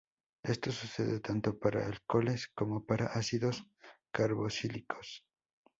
Esto sucede tanto para alcoholes como para ácidos carboxílicos.